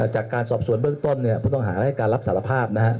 จากการสอบสวนเบื้องต้นเนี่ยพุทธองหาได้การรับสารภาพนะครับ